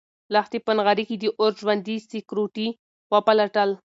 لښتې په نغري کې د اور ژوندي سکروټي وپلټل.